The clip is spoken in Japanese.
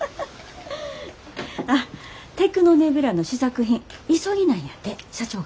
あっテクノネビュラの試作品急ぎなんやて社長が。